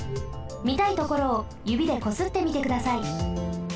みたいところをゆびでこすってみてください。